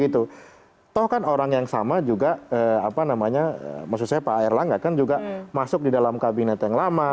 toh kan orang yang sama juga apa namanya maksud saya pak erlangga kan juga masuk di dalam kabinet yang lama